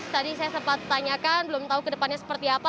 tadi saya sempat tanyakan belum tahu ke depannya seperti apa